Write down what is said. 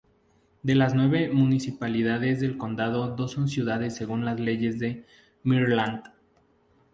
De las nueve municipalidades del condado dos son ciudades según las leyes de Maryland.